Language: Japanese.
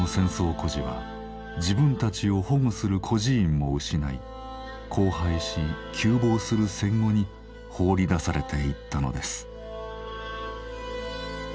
孤児は自分たちを保護する孤児院も失い荒廃し窮乏する戦後に放り出されていったのです。